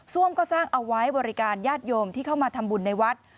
มก็สร้างเอาไว้บริการญาติโยมที่เข้ามาทำบุญในวัด